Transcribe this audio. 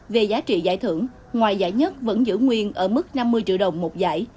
về giá trị giải thưởng ngoài giải nhất vẫn giữ nguyên ở mức năm mươi triệu đồng một giải